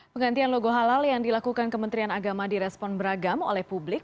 penggantian logo halal yang dilakukan kementerian agama direspon beragam oleh publik